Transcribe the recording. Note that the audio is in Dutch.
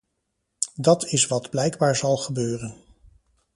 Dat is wat blijkbaar zal gebeuren.